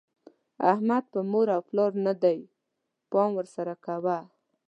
احمد په مور او پلار نه دی؛ پام ور سره کوه.